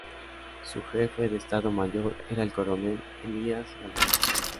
Su jefe de estado mayor era el coronel Elías Galván.